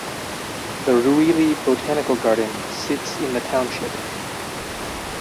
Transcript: The Ruili Botanical Garden sits in the township.